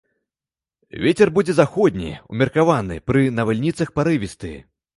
Вецер будзе заходні, умеркаваны, пры навальніцах парывісты.